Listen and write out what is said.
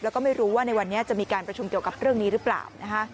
แล้วก็ไม่รู้ว่าในวันนี้จะมีการประชุมเกี่ยวกับเรื่องนี้หรือเปล่านะคะ